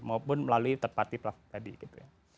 maupun melalui third party tadi gitu ya